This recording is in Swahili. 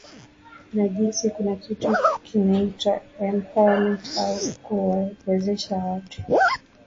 na jinsi kuna kitu kinaitwa empowerment au kuwawezesha watu